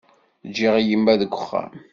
Ǧǧiɣ yemma deg uxxam.